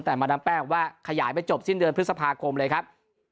แต่มาดามแป้งบอกว่าขยายไปจบสิ้นเดือนพฤษภาคมเลยครับ